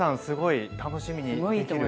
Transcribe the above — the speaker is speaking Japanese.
すごい楽しみにできる。